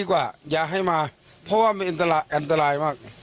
การทดลวน